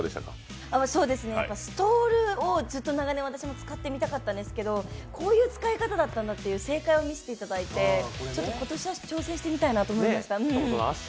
ストールをずっと長年私も使ってみたかったんですけどこういう使い方だったんだという正解を見せていただいて今年は挑戦してみたいなと思いました。